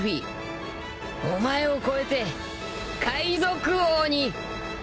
お前を超えて海賊王になる男だ！